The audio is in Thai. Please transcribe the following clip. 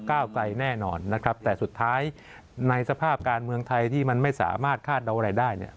ก้าวไกลแน่นอนนะครับแต่สุดท้ายในสภาพการเมืองไทยที่มันไม่สามารถคาดเดาอะไรได้เนี่ย